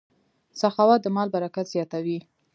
سخاوت د مال برکت زیاتوي.